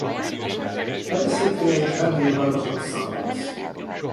Megyeszékhelye és legnagyobb városa Sundance.